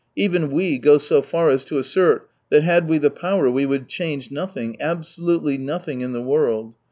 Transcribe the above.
Even we go so far as to assert that had we the power we would change nothing, abso lutely nothing in the world.